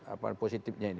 apa positifnya ini